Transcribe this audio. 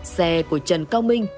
xe của trần cao minh